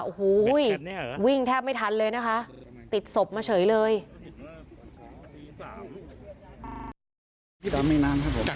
โอ้โหวิ่งแทบไม่ทันเลยนะคะ